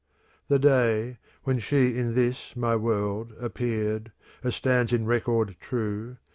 The day, when she in this my world appeared, — As stands in record true.